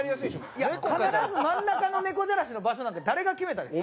いや必ず真ん中の猫じゃらしの場所なんか誰が決めた。